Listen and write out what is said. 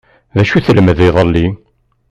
D acu i telmd iḍelli?